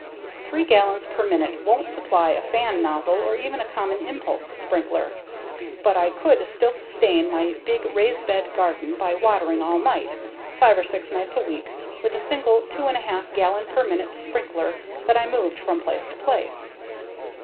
Three gallons per minute won't supply a fan nozzle or even a common impulse sprinkler, but I could still sustain my big raised bed garden by watering all night, five or six nights a week, with a single, 2 1/2 gallon per minute sprinkler that I moved from place to place.